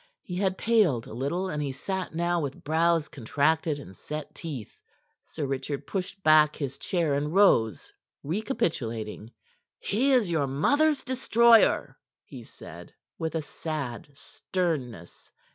He had paled a little, and he sat now with brows contracted and set teeth. Sir Richard pushed back his chair and rose, recapitulating. "He is your mother's destroyer," he said, with a sad sternness.